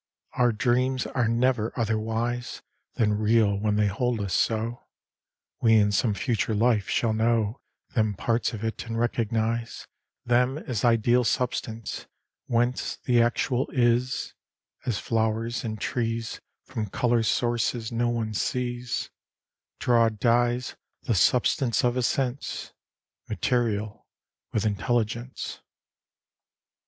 Our dreams are never otherwise Than real when they hold us so; We in some future life shall know Them parts of it and recognize Them as ideal substance, whence The actual is (as flowers and trees, From color sources no one sees, Draw dyes, the substance of a sense) Material with intelligence.